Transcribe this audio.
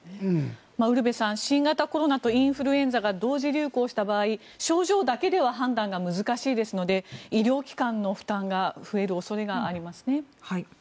ウルヴェさん新型コロナとインフルエンザが同時流行した場合症状だけでは判断が難しいですので医療機関の負担が増える恐れがありますね。